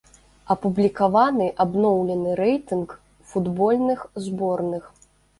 Апублікаваны абноўлены рэйтынг футбольных зборных.